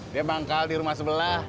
dia manggal di rumah sebelah